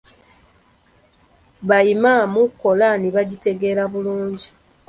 Bayimaamu Kolaani bagitegeera bulungi.